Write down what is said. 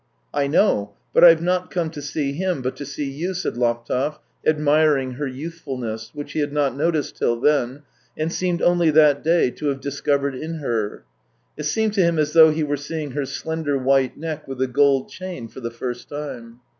I know; but I've not come to see him, but to see you," said Laptev, admiring her youthful ness, which he had not noticed till then, and seemed only that day to have discovered in her; THREE YEARS 197 it seemed to him as though he were seeing her slender white neck with the gold chain for the first time.